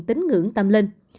tính ngưỡng tâm linh